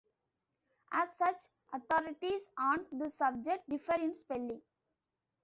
As such, authorities on this subject differ in spelling.